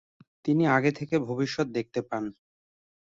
তিনি আগে থেকে ভবিষ্যত দেখতে পান।